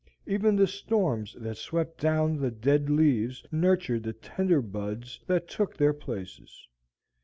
Even the storms that swept down the dead leaves nurtured the tender buds that took their places.